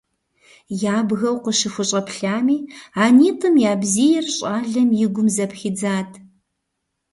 Ябгэу къыщыхущӏэплъами а нитӏым я бзийр щӏалэм и гум зэпхидзат.